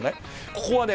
ここはね